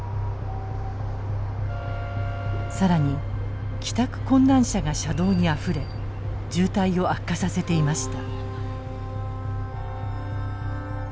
更に帰宅困難者が車道にあふれ渋滞を悪化させていました。